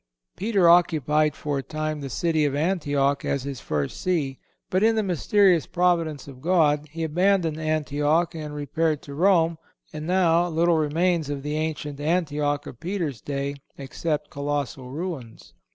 Peter occupied for a time the city of Antioch as his first See. But, in the mysterious providence of God, he abandoned Antioch and repaired to Rome; and now, little remains of the ancient Antioch of Peter's day except colossal ruins.